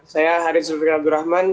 saya haris zulfiqra abdul rahman